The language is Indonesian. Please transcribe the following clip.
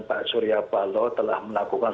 pak surya paloh telah melakukan